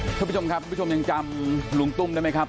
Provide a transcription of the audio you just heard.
ทุกผู้ชมครับทุกผู้ชมยังจำลุงตุ้มได้ไหมครับ